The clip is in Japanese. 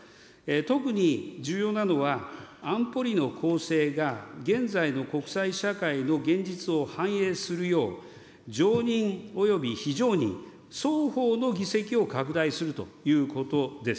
特に重要なのは、安保理の構成が現在の国際社会の現実を反映するよう、常任および非常任双方の議席を拡大するということです。